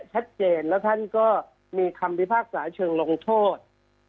ชัดเจนแล้วท่านก็มีคำพิพากษาเชิงลงโทษ